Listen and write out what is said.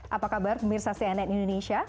apa kabar pemirsa cnn indonesia